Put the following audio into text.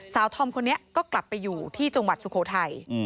ธอมคนนี้ก็กลับไปอยู่ที่จังหวัดสุโขทัย